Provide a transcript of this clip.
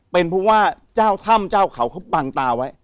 เป็นเพราะว่าเจ้าถ้ำเจ้าเขาเขาบังตาไว้